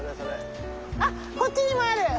あっこっちにもある！